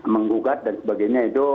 menggugat dan sebagainya itu